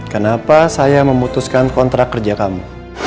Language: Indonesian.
kenapa saya memutuskan kontrak kerja kamu